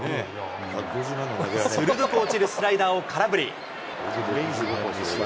鋭く落ちるスライダーを空振り。